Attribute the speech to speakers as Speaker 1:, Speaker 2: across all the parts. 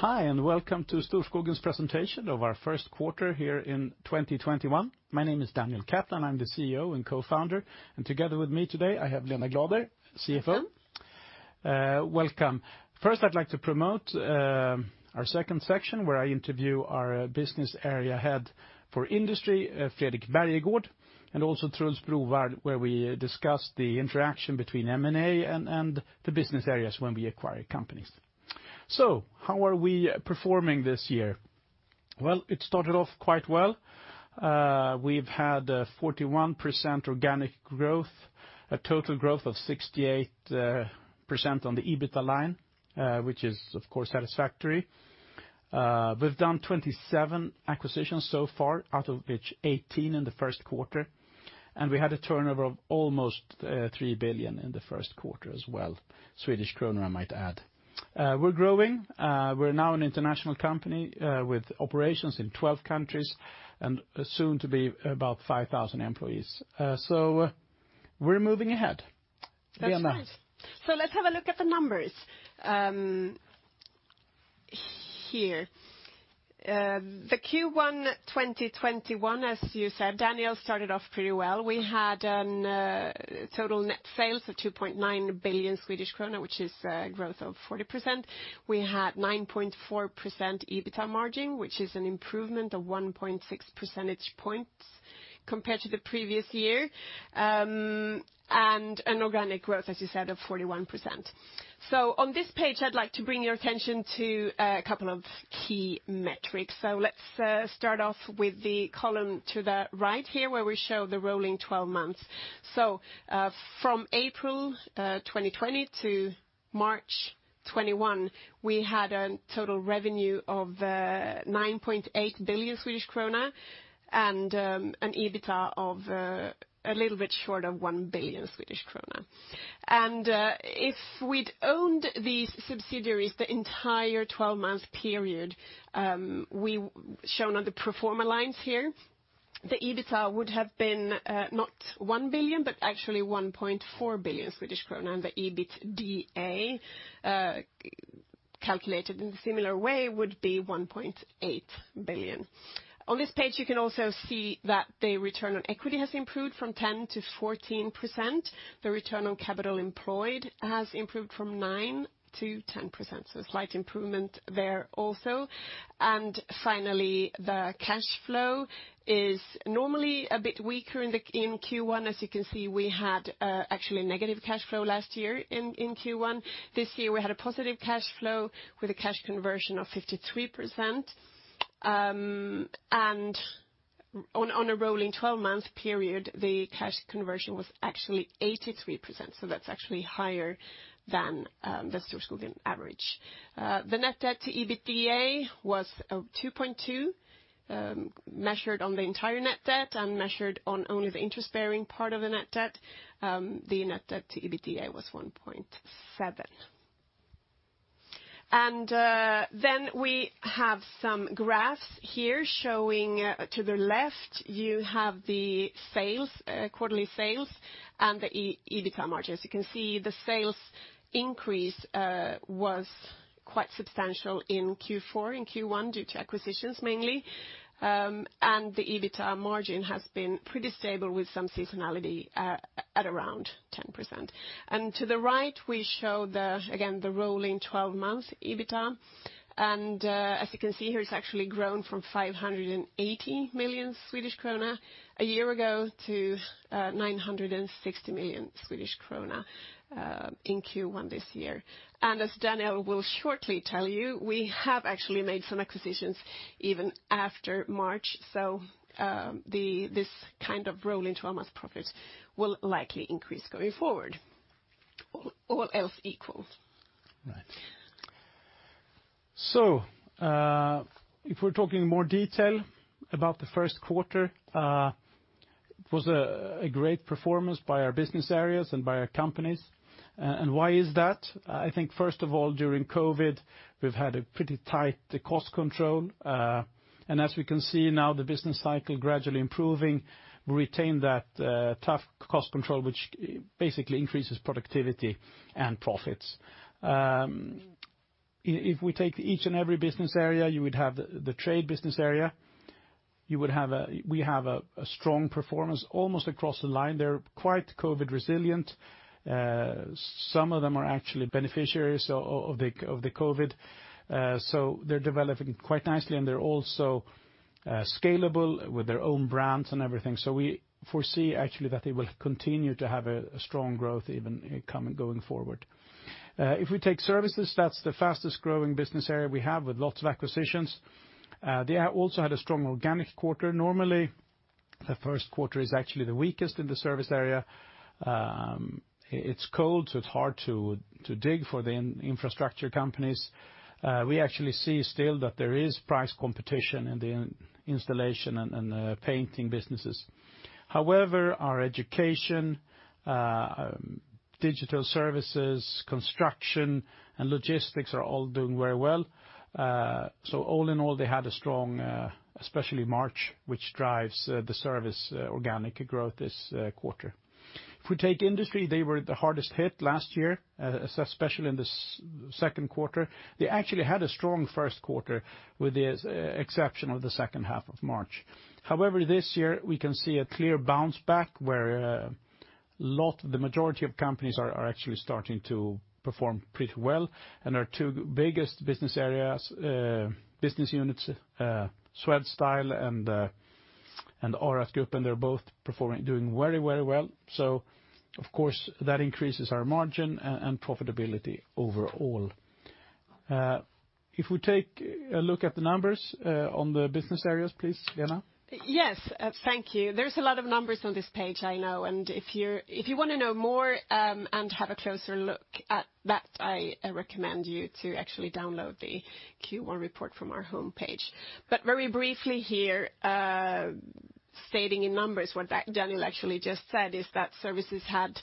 Speaker 1: Hi, and welcome to Storskogen's presentation of our first quarter here in 2021. My name is Daniel Kaplan, and I'm the CEO and Co-Founder. Together with me today, I have Lena Glader, CFO.
Speaker 2: Hi.
Speaker 1: Welcome. First, I'd like to promote our second section, where I interview our Business Area Head for Industry, Fredrik Bergegård, and also Truls Browall, where we discuss the interaction between M&A and the Business Areas when we acquire companies. How are we performing this year? It started off quite well. We've had 41% organic growth, a total growth of 68% on the EBITDA line, which is, of course, satisfactory. We've done 27 acquisitions so far, out of which 18 in the first quarter. We had a turnover of almost 3 billion in the first quarter as well, I might add. We're growing. We're now an international company with operations in 12 countries and soon to be about 5,000 employees. We're moving ahead. Lena.
Speaker 2: Excellent. So, let's have a look at the numbers here. The Q1 2021, as you said, Daniel, started off pretty well. We had a total net sales of 2.9 billion Swedish krona, which is a growth of 40%. We had 9.4% EBITDA margin, which is an improvement of 1.6 percentage points compared to the previous year, and an organic growth, as you said, of 41%. So, on this page, I'd like to bring your attention to a couple of key metrics. So, let's start off with the column to the right here, where we show the rolling 12 months. So, from April 2020 to March 2021, we had a total revenue of 9.8 billion Swedish krona and an EBITDA of a little bit short of 1 billion Swedish krona. If we'd owned these subsidiaries the entire 12-month period, shown on the pro forma lines here, the EBITDA would have been not 1 billion, but actually 1.4 billion Swedish krona. The EBITDA, calculated in a similar way, would be 1.8 billion. On this page, you can also see that the return on equity has improved from 10%-14%. The return on capital employed has improved from 9%-10%. A slight improvement there also. Finally, the cash flow is normally a bit weaker in Q1. As you can see, we had actually negative cash flow last year in Q1. This year, we had a positive cash flow with a cash conversion of 53%. On a rolling 12-month period, the cash conversion was actually 83%. That's actually higher than the Storskogen average. The net debt to EBITDA was 2.2, measured on the entire net debt and measured on only the interest-bearing part of the net debt. The net debt to EBITDA was 1.7. And then we have some graphs here showing, to the left, you have the quarterly sales and the EBITDA margin. As you can see, the sales increase was quite substantial in Q4 and Q1 due to acquisitions mainly. And the EBITDA margin has been pretty stable with some seasonality at around 10%. And to the right, we show, again, the rolling 12-month EBITDA. And as you can see here, it's actually grown from 580 million Swedish krona a year ago to 960 million Swedish krona in Q1 this year. And as Daniel will shortly tell you, we have actually made some acquisitions even after March. So, this kind of rolling 12-month profit will likely increase going forward, all else equal.
Speaker 1: Right. So, if we're talking in more detail about the first quarter, it was a great performance by our business areas and by our companies. Why is that? I think, first of all, during COVID, we've had a pretty tight cost control. As we can see now, the business cycle is gradually improving. We retained that tough cost control, which basically increases productivity and profits. If we take each and every business area, you would have the Trade business area. We have a strong performance almost across the line. They're quite COVID resilient. Some of them are actually beneficiaries of the COVID. They're developing quite nicely, and they're also scalable with their own brands and everything. We foresee actually that they will continue to have a strong growth even going forward. If we take Services, that's the fastest-growing business area we have with lots of acquisitions. They also had a strong organic quarter. Normally, the first quarter is actually the weakest in the service area. It's cold, so it's hard to dig for the infrastructure companies. We actually see still that there is price competition in the installation and painting businesses. However, our education, digital services, construction, and logistics are all doing very well. So, all in all, they had a strong, especially March, which drives the service organic growth this quarter. If we take industry, they were the hardest hit last year, especially in the second quarter. They actually had a strong first quarter with the exception of the second half of March. However, this year, we can see a clear bounce back where a lot of the majority of companies are actually starting to perform pretty well. Our two biggest business areas, business units, Swedstyle and Aura Group, and they're both doing very, very well. So, of course, that increases our margin and profitability overall. If we take a look at the numbers on the business areas, please, Lena?
Speaker 2: Yes, thank you. There's a lot of numbers on this page, I know. And if you want to know more and have a closer look at that, I recommend you to actually download the Q1 report from our homepage. But very briefly here, stating in numbers what Daniel actually just said, is that services had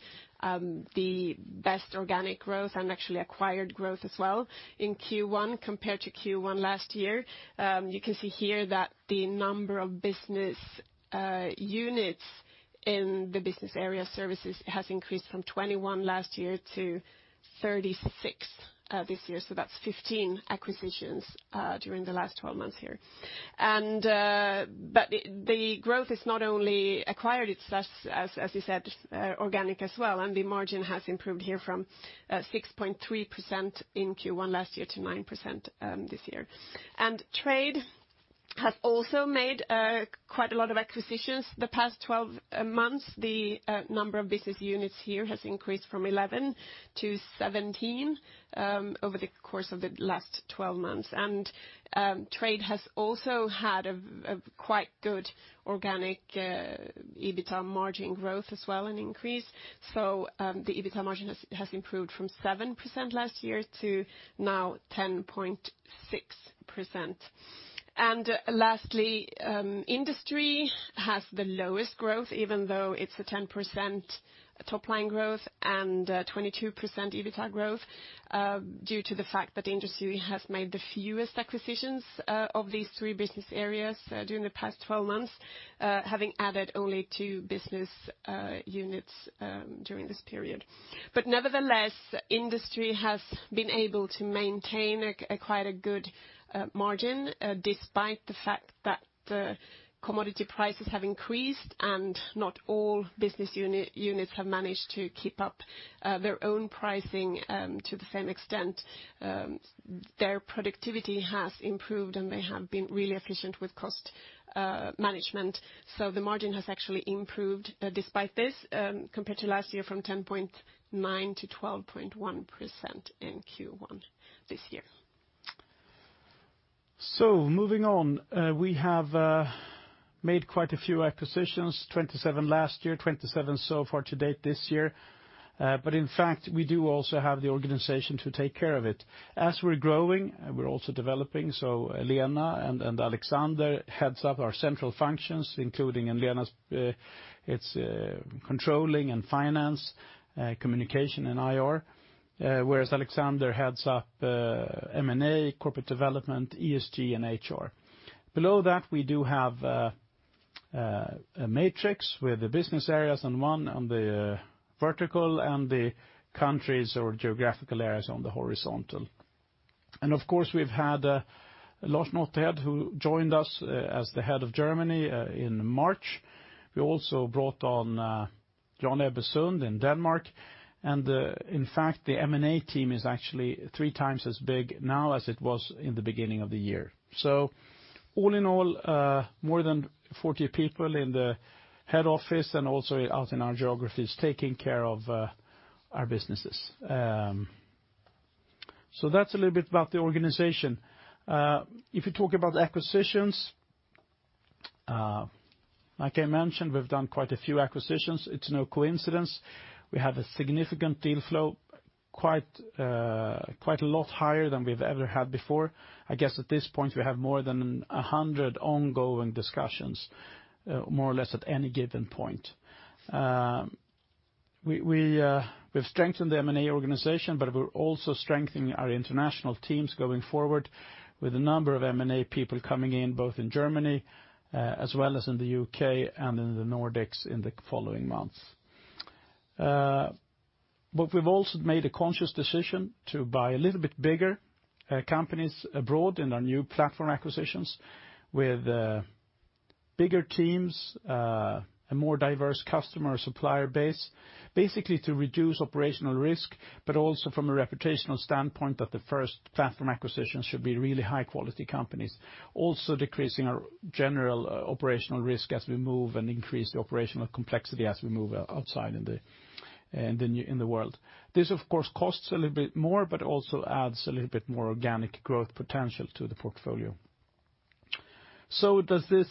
Speaker 2: the best organic growth and actually acquired growth as well in Q1 compared to Q1 last year. You can see here that the number of business units in the business area services has increased from 21 last year to 36 this year. So, that's 15 acquisitions during the last 12 months here. But the growth is not only acquired, it's, as you said, organic as well. And the margin has improved here from 6.3% in Q1 last year to 9% this year. Trade has also made quite a lot of acquisitions the past 12 months. The number of business units here has increased from 11 to 17 over the course of the last 12 months. Trade has also had a quite good organic EBITDA margin growth as well and increase. The EBITDA margin has improved from 7% last year to now 10.6%. Lastly, industry has the lowest growth, even though it's a 10% top-line growth and 22% EBITDA growth, due to the fact that industry has made the fewest acquisitions of these three business areas during the past 12 months, having added only two business units during this period. Nevertheless, industry has been able to maintain quite a good margin despite the fact that commodity prices have increased and not all business units have managed to keep up their own pricing to the same extent. Their productivity has improved, and they have been really efficient with cost management. So, the margin has actually improved despite this compared to last year from 10.9% to 12.1% in Q1 this year.
Speaker 1: So, moving on, we have made quite a few acquisitions: 27 last year, 27 so far to date this year. But in fact, we do also have the organization to take care of it. As we're growing, we're also developing. So, Lena and Alexander heads up our central functions, including Lena's controlling and finance, communication, and IR, whereas Alexander heads up M&A, corporate development, ESG, and HR. Below that, we do have a matrix with the business areas on one on the vertical and the countries or geographical areas on the horizontal. And of course, we've had Lars Nottehed, who joined us as the head of Germany in March. We also brought on Jan Ebbesen in Denmark. And in fact, the M&A team is actually three times as big now as it was in the beginning of the year. All in all, more than 40 people in the head office and also out in our geographies taking care of our businesses. That's a little bit about the organization. If you talk about acquisitions, like I mentioned, we've done quite a few acquisitions. It's no coincidence. We have a significant deal flow, quite a lot higher than we've ever had before. I guess at this point, we have more than 100 ongoing discussions, more or less at any given point. We've strengthened the M&A organization, but we're also strengthening our international teams going forward with a number of M&A people coming in both in Germany, as well as in the U.K. and in the Nordics in the following months. But we've also made a conscious decision to buy a little bit bigger companies abroad in our new platform acquisitions with bigger teams and a more diverse customer supplier base, basically to reduce operational risk, but also from a reputational standpoint that the first platform acquisitions should be really high-quality companies, also decreasing our general operational risk as we move and increase the operational complexity as we move outside in the world. This, of course, costs a little bit more, but also adds a little bit more organic growth potential to the portfolio. so, does this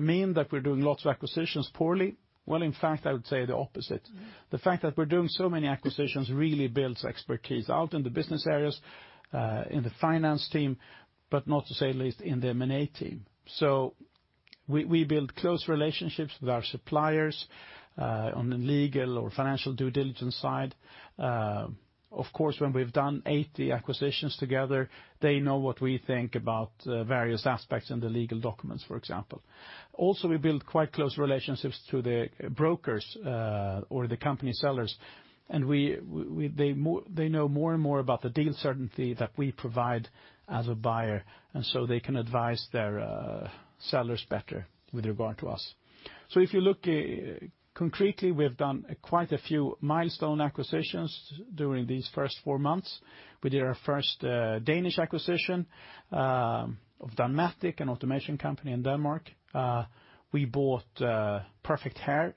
Speaker 1: mean that we're doing lots of acquisitions poorly? well, in fact, I would say the opposite. The fact that we're doing so many acquisitions really builds expertise out in the business areas, in the finance team, but not to say least in the M&A team. So, we build close relationships with our suppliers on the legal or financial due diligence side. Of course, when we've done 80 acquisitions together, they know what we think about various aspects in the legal documents, for example. Also, we build quite close relationships to the brokers or the company sellers. And they know more and more about the deal certainty that we provide as a buyer. And so, they can advise their sellers better with regard to us. So, if you look concretely, we've done quite a few milestone acquisitions during these first four months. We did our first Danish acquisition of Danmatic, an automation company in Denmark. We bought PerfectHair.ch,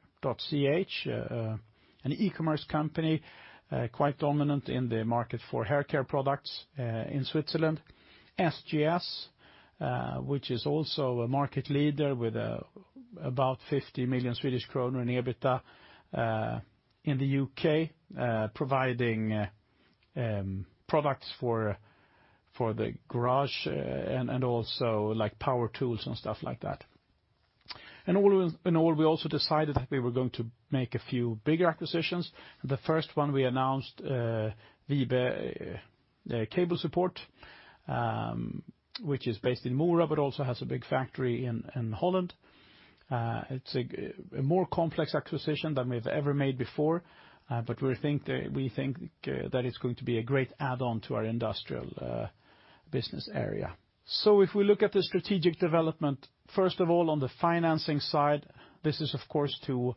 Speaker 1: an e-commerce company quite dominant in the market for haircare products in Switzerland. SGS, which is also a market leader with about 50 million Swedish kronor in EBITDA in the UK, providing products for the garage and also like power tools and stuff like that. And all in all, we also decided that we were going to make a few bigger acquisitions. The first one we announced, Wibe Group, which is based in Mora but also has a big factory in Holland. It's a more complex acquisition than we've ever made before, but we think that it's going to be a great add-on to our industrial business area. So, if we look at the strategic development, first of all, on the financing side, this is, of course, to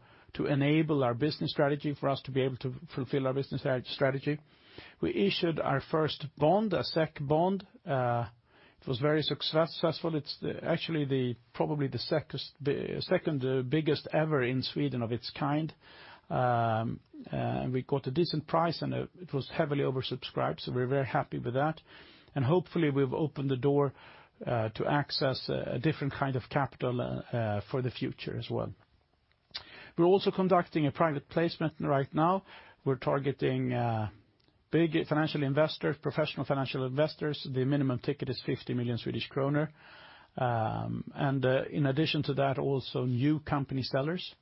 Speaker 1: enable our business strategy for us to be able to fulfill our business strategy. We issued our first bond, a SEK bond. It was very successful. It's actually probably the second biggest ever in Sweden of its kind. And we got a decent price, and it was heavily oversubscribed. So, we're very happy with that. And hopefully, we've opened the door to access a different kind of capital for the future as well. We're also conducting a private placement right now. We're targeting big financial investors, professional financial investors. The minimum ticket is 50 million Swedish kronor. And in addition to that, also new company sellers.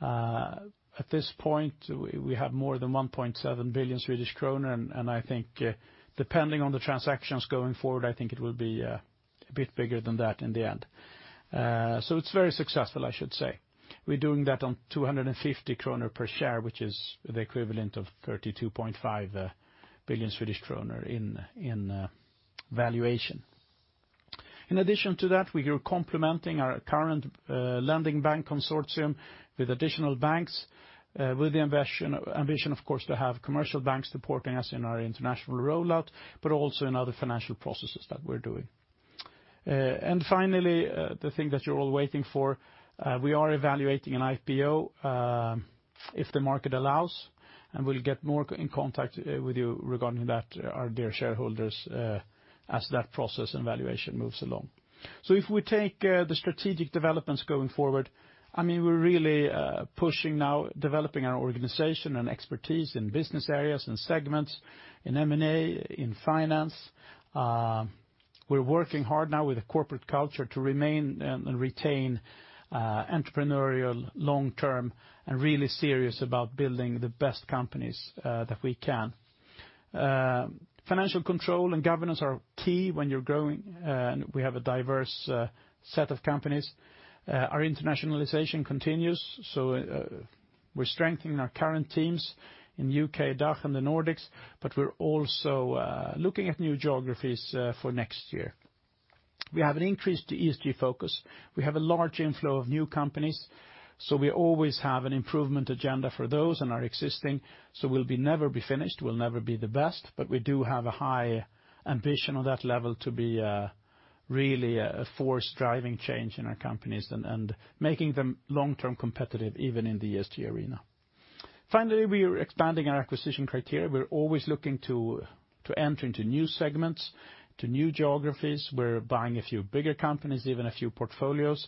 Speaker 1: At this point, we have more than 1.7 billion Swedish kronor. And I think, depending on the transactions going forward, I think it will be a bit bigger than that in the end. So, it's very successful, I should say. We're doing that on 250 kronor per share, which is the equivalent of 32.5 billion Swedish kronor in valuation. In addition to that, we are complementing our current lending bank consortium with additional banks, with the ambition, of course, to have commercial banks supporting us in our international rollout, but also in other financial processes that we're doing. And finally, the thing that you're all waiting for, we are evaluating an IPO if the market allows. And we'll get more in contact with you regarding that, our dear shareholders, as that process and valuation moves along. So, if we take the strategic developments going forward, I mean, we're really pushing now, developing our organization and expertise in business areas and segments, in M&A, in finance. We're working hard now with a corporate culture to remain and retain entrepreneurial long-term and really serious about building the best companies that we can. Financial control and governance are key when you're growing. We have a diverse set of companies. Our internationalization continues. We're strengthening our current teams in the UK, DACH, and the Nordics, but we're also looking at new geographies for next year. We have an increased ESG focus. We have a large inflow of new companies. We always have an improvement agenda for those and our existing. We'll never be finished. We'll never be the best. But we do have a high ambition on that level to be really a force driving change in our companies and making them long-term competitive even in the ESG arena. Finally, we are expanding our acquisition criteria. We're always looking to enter into new segments, to new geographies. We're buying a few bigger companies, even a few portfolios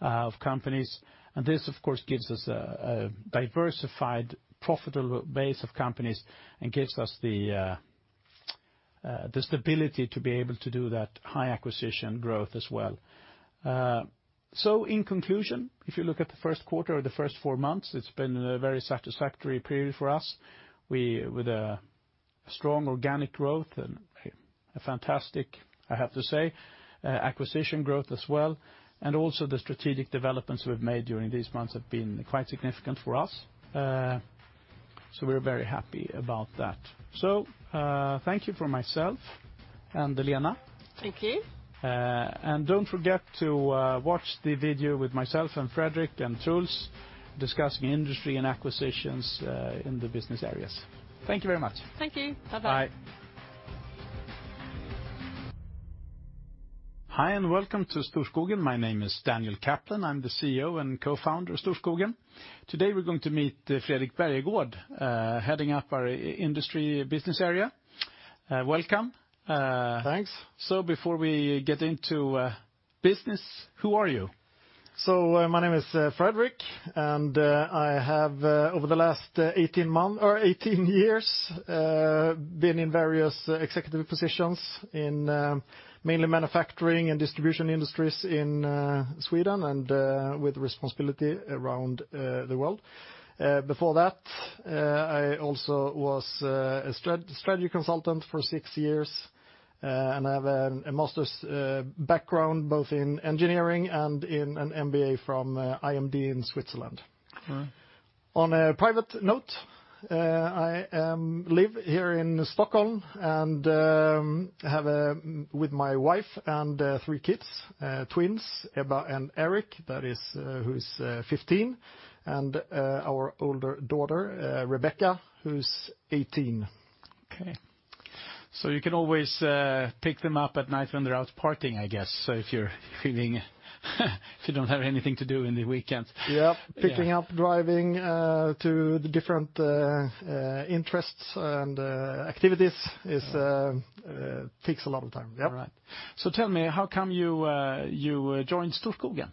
Speaker 1: of companies. This, of course, gives us a diversified, profitable base of companies and gives us the stability to be able to do that high acquisition growth as well. So, in conclusion, if you look at the first quarter or the first four months, it's been a very satisfactory period for us with a strong organic growth and a fantastic, I have to say, acquisition growth as well. And also, the strategic developments we've made during these months have been quite significant for us. So, we're very happy about that. So, thank you for myself and Lena.
Speaker 2: Thank you.
Speaker 1: Don't forget to watch the video with myself and Fredrik and Truls discussing industry and acquisitions in the business areas. Thank you very much.
Speaker 2: Thank you. Bye-bye.
Speaker 1: Bye. Hi, and welcome to Storskogen. My name is Daniel Kaplan. I'm the CEO and Co-Founder of Storskogen. Today, we're going to meet Fredrik Bergegård, heading up our industry business area. Welcome.
Speaker 3: Thanks.
Speaker 1: So, before we get into business, who are you?
Speaker 3: So, my name is Fredrik, and I have, over the last 18 months or 18 years, been in various executive positions in mainly manufacturing and distribution industries in Sweden and with responsibility around the world. Before that, I also was a strategy consultant for six years, and I have a master's background both in engineering and in an MBA from IMD in Switzerland. On a private note, I live here in Stockholm and have a with my wife and three kids, twins, Ebba and Erik, who is 15, and our older daughter, Rebecca, who's 18.
Speaker 1: Okay, so you can always pick them up at night when they're out partying, I guess, if you're feeling if you don't have anything to do in the weekend.
Speaker 3: Yeah. Picking up, driving to the different interests and activities takes a lot of time.
Speaker 1: All right, so tell me, how come you joined Storskogen?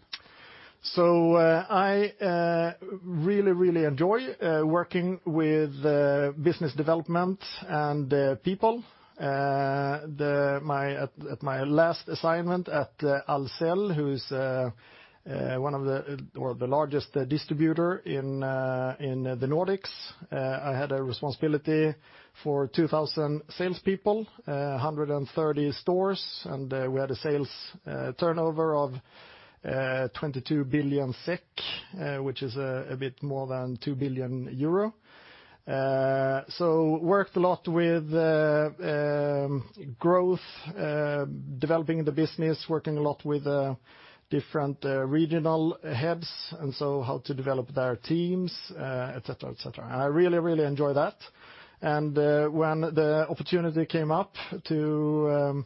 Speaker 3: So, I really, really enjoy working with business development and people. At my last assignment at Ahlsell, who is one of the largest distributors in the Nordics, I had a responsibility for 2,000 salespeople, 130 stores, and we had a sales turnover of 22 billion SEK, which is a bit more than 2 billion euro. So, worked a lot with growth, developing the business, working a lot with different regional heads, and so how to develop their teams, et cetera, et cetera. I really, really enjoy that. And when the opportunity came up to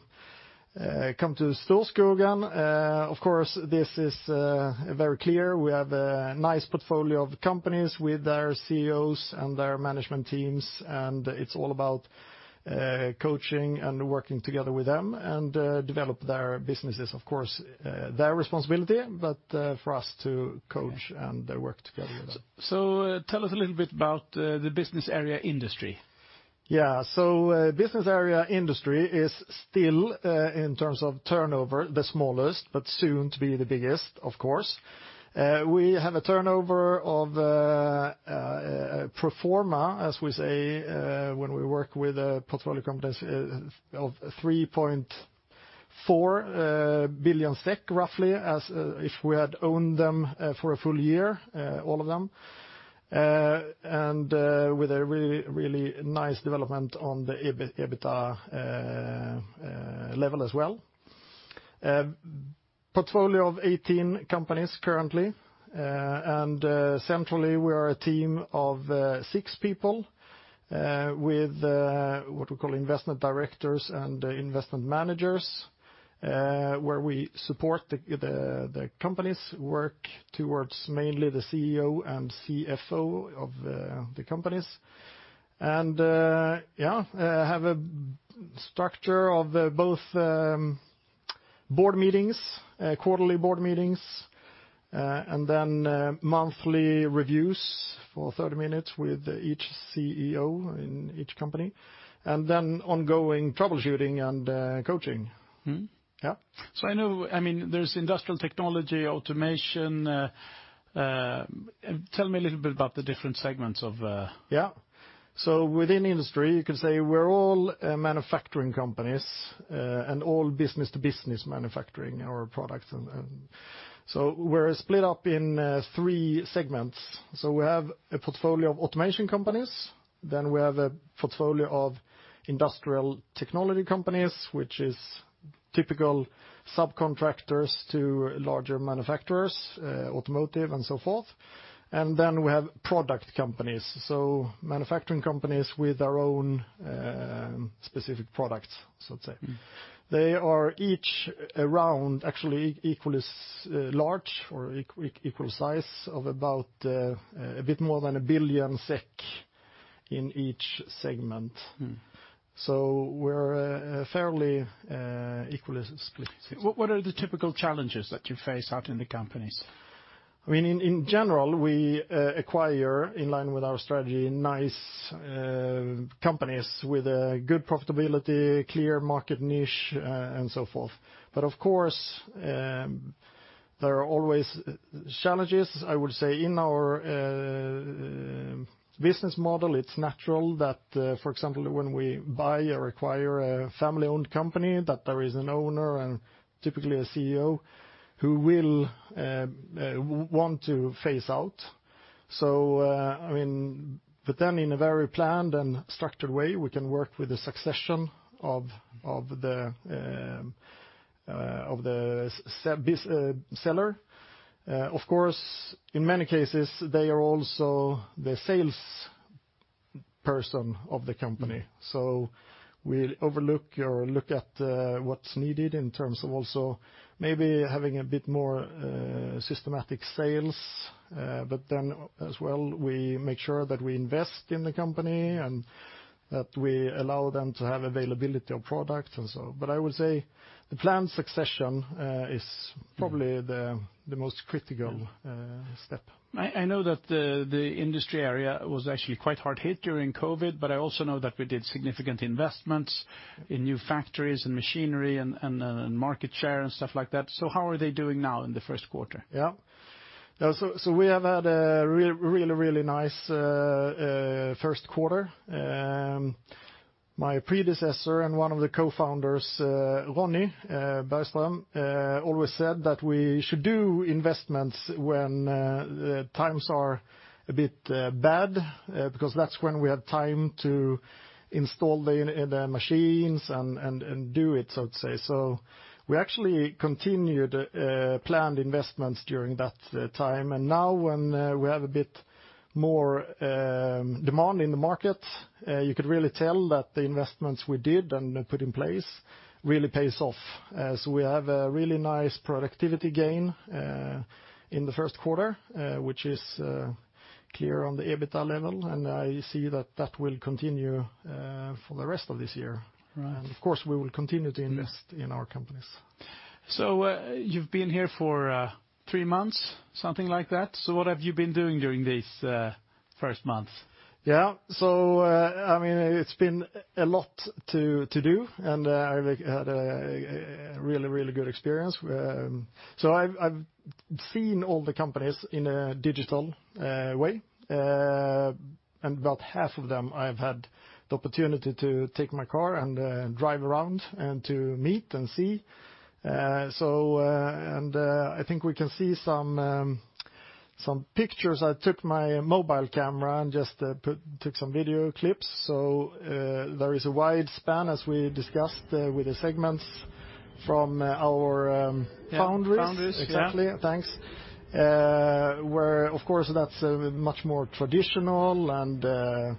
Speaker 3: come to Storskogen, of course, this is very clear. We have a nice portfolio of companies with their CEOs and their management teams, and it's all about coaching and working together with them and develop their businesses, of course, their responsibility, but for us to coach and work together with them.
Speaker 1: Tell us a little bit about the Business Area Industry.
Speaker 3: Yeah. So, business area industry is still, in terms of turnover, the smallest, but soon to be the biggest, of course. We have a turnover of pro forma, as we say when we work with portfolio companies, of 3.4 billion SEK, roughly, if we had owned them for a full year, all of them. And with a really, really nice development on the EBITDA level as well. Portfolio of 18 companies currently. And centrally, we are a team of six people with what we call investment directors and investment managers, where we support the companies, work towards mainly the CEO and CFO of the companies. And yeah, have a structure of both board meetings, quarterly board meetings, and then monthly reviews for 30 minutes with each CEO in each company, and then ongoing troubleshooting and coaching. Yeah.
Speaker 1: So, I know, I mean, there's industrial technology, automation. Tell me a little bit about the different segments of.
Speaker 3: Yeah. So, within industry, you can say we're all manufacturing companies and all business-to-business manufacturing our products. So, we're split up in three segments. So, we have a portfolio of automation companies. Then we have a portfolio of industrial technology companies, which is typical subcontractors to larger manufacturers, automotive and so forth. And then we have product companies, so manufacturing companies with our own specific products, so to say. They are each around, actually equally large or equal size of about a bit more than a billion SEK in each segment. So, we're fairly equally split.
Speaker 1: What are the typical challenges that you face out in the companies?
Speaker 3: I mean, in general, we acquire, in line with our strategy, nice companies with good profitability, clear market niche, and so forth. But of course, there are always challenges. I would say in our business model, it's natural that, for example, when we buy or acquire a family-owned company, that there is an owner and typically a CEO who will want to phase out. So, I mean, but then in a very planned and structured way, we can work with the succession of the seller. Of course, in many cases, they are also the salesperson of the company. So, we overlook or look at what's needed in terms of also maybe having a bit more systematic sales. But then as well, we make sure that we invest in the company and that we allow them to have availability of products and so. But I would say the planned succession is probably the most critical step.
Speaker 1: I know that the industry area was actually quite hard hit during COVID, but I also know that we did significant investments in new factories and machinery and market share and stuff like that. So, how are they doing now in the first quarter?
Speaker 3: Yeah. So, we have had a really, really nice first quarter. My predecessor and one of the co-founders, Ronnie Bergström, always said that we should do investments when times are a bit bad because that's when we have time to install the machines and do it, so to say. So, we actually continued planned investments during that time. And now when we have a bit more demand in the market, you could really tell that the investments we did and put in place really pay off. So, we have a really nice productivity gain in the first quarter, which is clear on the EBITDA level. And I see that that will continue for the rest of this year. And of course, we will continue to invest in our companies.
Speaker 1: So, you've been here for three months, something like that. So, what have you been doing during these first months?
Speaker 3: Yeah. So, I mean, it's been a lot to do, and I had a really, really good experience. So, I've seen all the companies in a digital way. And about half of them, I've had the opportunity to take my car and drive around and to meet and see. So, and I think we can see some pictures. I took my mobile camera and just took some video clips. So, there is a wide span, as we discussed, with the segments from our foundries.
Speaker 1: Foundries, yeah.
Speaker 3: Exactly. Thanks. Where, of course, that's much more traditional, and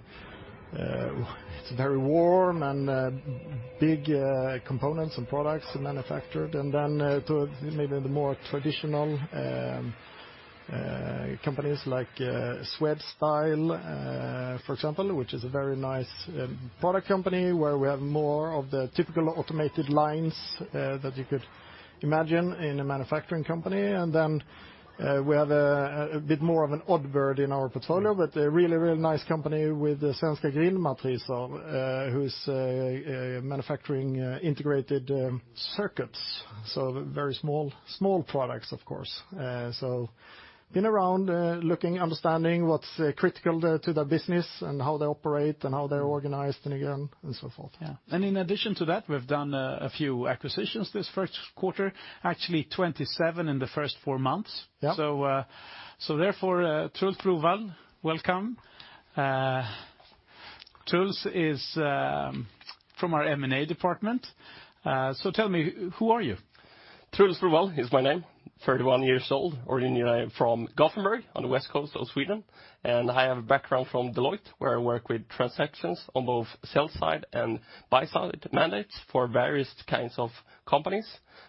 Speaker 3: it's very warm and big components and products manufactured. Then maybe the more traditional companies like Swedstyle, for example, which is a very nice product company where we have more of the typical automated lines that you could imagine in a manufacturing company. Then we have a bit more of an odd bird in our portfolio, but a really, really nice company with the Svenska Grindmatriser, who's manufacturing integrated circuits. So, very small products, of course. So, been around looking, understanding what's critical to their business and how they operate and how they're organized and again, and so forth.
Speaker 1: Yeah. And in addition to that, we've done a few acquisitions this first quarter, actually 27 in the first four months. So, therefore, Truls Browall, welcome. Truls is from our M&A department. So, tell me, who are you?
Speaker 4: Truls Browall is my name. 31 years old, originally from Gothenburg on the west coast of Sweden, and I have a background from Deloitte, where I work with transactions on both sell side and buy side mandates for various kinds of companies,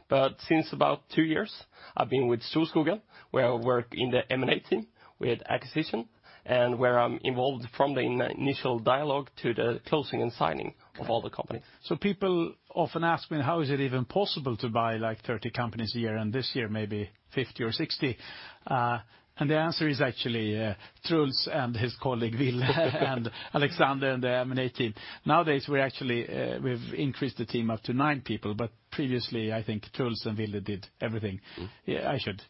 Speaker 4: but since about two years, I've been with Storskogen, where I work in the M&A team with acquisition and where I'm involved from the initial dialogue to the closing and signing of all the companies.
Speaker 1: So, people often ask me, how is it even possible to buy like 30 companies a year and this year maybe 50 or 60? And the answer is actually Truls and his colleague Ville and Alexander and the M&A team. Nowadays, we're actually, we've increased the team up to nine people, but previously, I think Truls and Ville did everything. I should,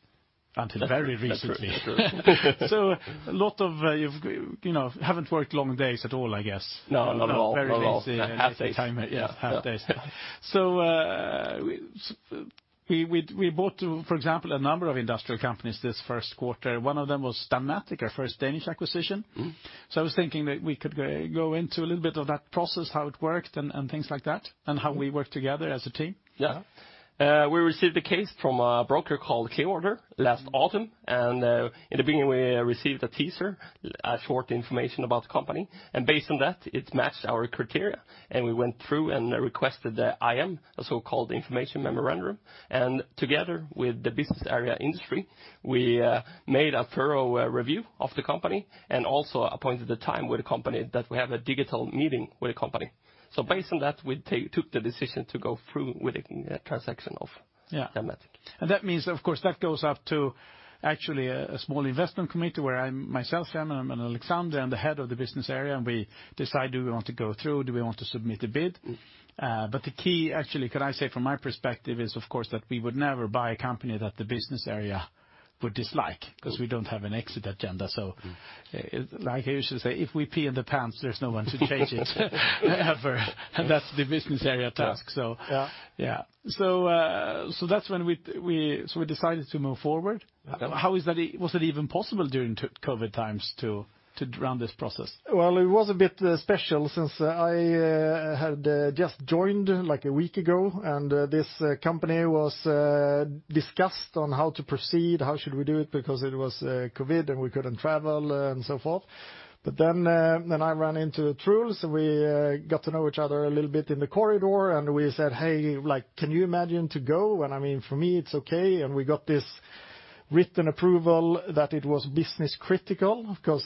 Speaker 1: until very recently. So, a lot of, you know, haven't worked long days at all, I guess.
Speaker 4: No, not at all.
Speaker 1: Very lazy, half-day time.
Speaker 4: Yeah.
Speaker 1: Half days. So, we bought, for example, a number of industrial companies this first quarter. One of them was Danmatic, our first Danish acquisition. So, I was thinking that we could go into a little bit of that process, how it worked and things like that, and how we work together as a team.
Speaker 4: Yeah. We received a case from a broker called Clearwater International last autumn. And in the beginning, we received a teaser, short information about the company. And based on that, it matched our criteria. And we went through and requested the IM, a so-called information memorandum. And together with the Business Area Industry, we made a thorough review of the company and also appointed the time with the company that we have a digital meeting with the company. So, based on that, we took the decision to go through with the transaction of Danmatic.
Speaker 1: And that means, of course, that goes up to actually a small investment committee where I myself am, and I'm Alexander, and the head of the business area, and we decide do we want to go through, do we want to submit a bid. But the key, actually, can I say from my perspective, is of course that we would never buy a company that the business area would dislike because we don't have an exit agenda. So, like I used to say, if we pee in the pants, there's no one to change it ever. And that's the business area task. So, yeah. So, that's when we decided to move forward. How was it even possible during COVID times to run this process?
Speaker 3: It was a bit special since I had just joined like a week ago, and this company was discussed on how to proceed, how should we do it because it was COVID and we couldn't travel and so forth. But then I ran into Truls, and we got to know each other a little bit in the corridor, and we said, hey, like, can you imagine to go? And I mean, for me, it's okay. And we got this written approval that it was business critical because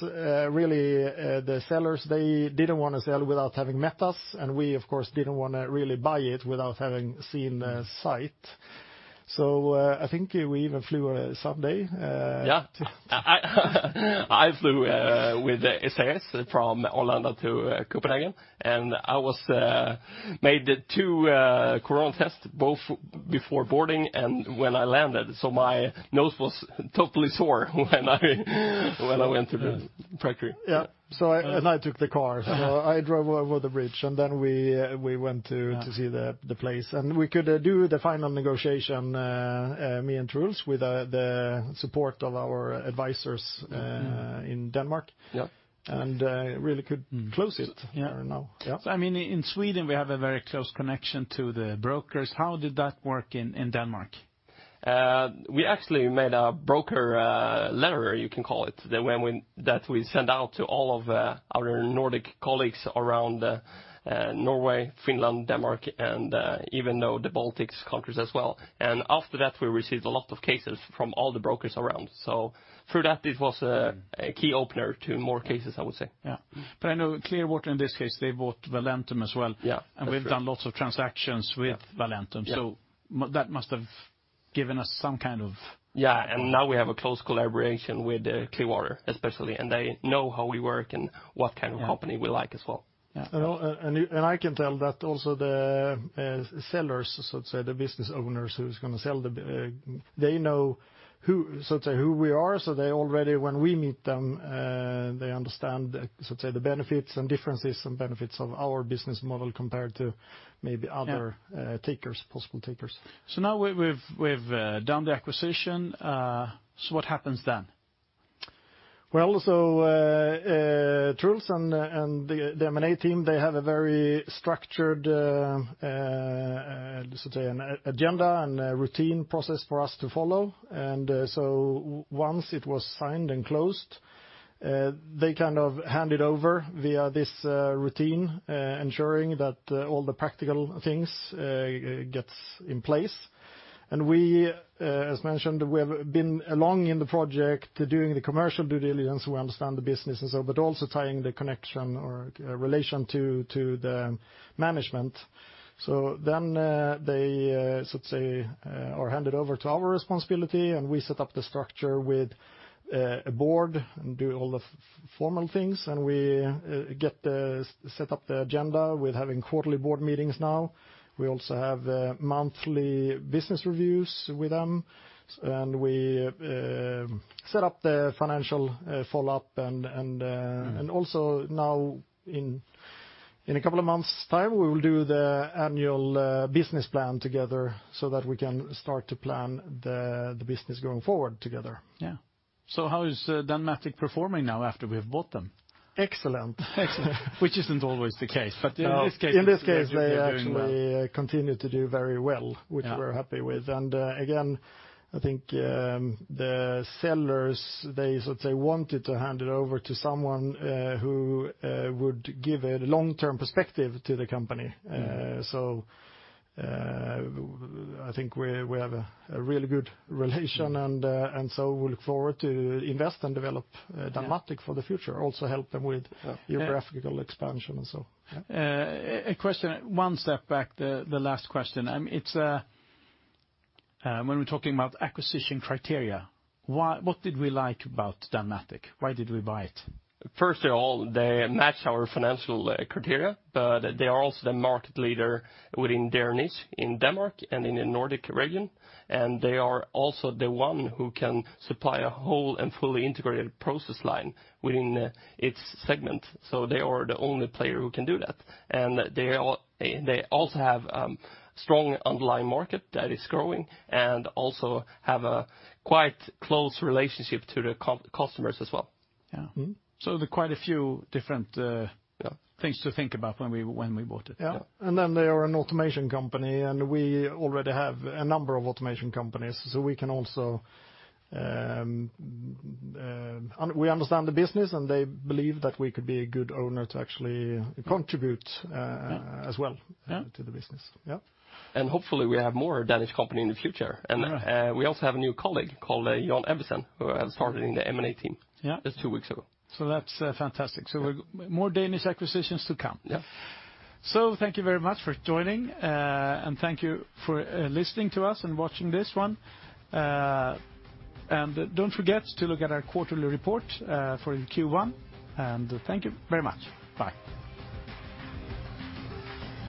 Speaker 3: really the sellers, they didn't want to sell without having met us. And we, of course, didn't want to really buy it without having seen the site. I think we even flew Sunday.
Speaker 4: Yeah. I flew with SAS from Arlanda to Copenhagen, and I was made two corona tests, both before boarding and when I landed. So, my nose was totally sore when I went to the factory.
Speaker 3: I took the car. I drove over the bridge, and then we went to see the place, and we could do the final negotiation, me and Truls, with the support of our advisors in Denmark. We really could close it now.
Speaker 1: So, I mean, in Sweden, we have a very close connection to the brokers. How did that work in Denmark?
Speaker 4: We actually made a broker letter, you can call it, that we sent out to all of our Nordic colleagues around Norway, Finland, Denmark, and even to the Baltics countries as well, and after that, we received a lot of cases from all the brokers around, so through that, it was a key opener to more cases, I would say.
Speaker 1: Yeah. But I know Clearwater in this case, they bought Valentum as well. And we've done lots of transactions with Valentum. So, that must have given us some kind of.
Speaker 4: Yeah. And now we have a close collaboration with Clearwater, especially. And they know how we work and what kind of company we like as well.
Speaker 3: I can tell that also the sellers, so to say, the business owners who's going to sell the. They know, so to say, who we are. They already, when we meet them, they understand, so to say, the benefits and differences and benefits of our business model compared to maybe other takers, possible takers.
Speaker 1: So, now we've done the acquisition. So, what happens then?
Speaker 3: Well, so, Truls and the M&A team, they have a very structured, so to say, agenda and routine process for us to follow. And so, once it was signed and closed, they kind of hand it over via this routine, ensuring that all the practical things get in place. And we, as mentioned, we have been along in the project doing the commercial due diligence, we understand the business and so, but also tying the connection or relation to the management. So, then they, so to say, are handed over to our responsibility, and we set up the structure with a board and do all the formal things. And we get set up the agenda with having quarterly board meetings now. We also have monthly business reviews with them. And we set up the financial follow-up. And also, now in a couple of months' time, we will do the annual business plan together so that we can start to plan the business going forward together.
Speaker 1: Yeah. So, how is Danmatic performing now after we have bought them?
Speaker 3: Excellent.
Speaker 1: Excellent. Which isn't always the case, but in this case.
Speaker 3: In this case, they actually continue to do very well, which we're happy with, and again, I think the sellers, they, so to say, wanted to hand it over to someone who would give a long-term perspective to the company, so I think we have a really good relation, and so we look forward to invest and develop Danmatic for the future, also help them with geographical expansion and so.
Speaker 1: A question, one step back, the last question. When we're talking about acquisition criteria, what did we like about Danmatic? Why did we buy it?
Speaker 4: First of all, they match our financial criteria, but they are also the market leader within their niche in Denmark and in the Nordic region. And they are also the one who can supply a whole and fully integrated process line within its segment. So, they are the only player who can do that. And they also have a strong underlying market that is growing and also have a quite close relationship to the customers as well.
Speaker 1: Yeah. So, quite a few different things to think about when we bought it.
Speaker 3: Yeah, and then they are an automation company, and we already have a number of automation companies. So, we can also, we understand the business, and they believe that we could be a good owner to actually contribute as well to the business. Yeah.
Speaker 4: Hopefully, we have more Danish company in the future. We also have a new colleague called Jan Ebbesen, who started in the M&A team just two weeks ago.
Speaker 1: So, that's fantastic. So, more Danish acquisitions to come. So, thank you very much for joining. And thank you for listening to us and watching this one. And don't forget to look at our quarterly report for Q1. And thank you very much. Bye.